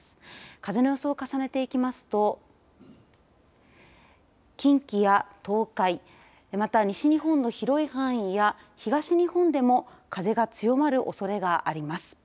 風の予想、重ねていきますと近畿や東海また、西日本の広い範囲や東日本でも風が強まるおそれがあります。